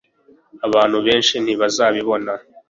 Abantu benshi ntibazabibona